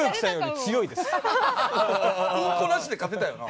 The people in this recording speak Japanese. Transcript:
うんこなしで勝てたよな？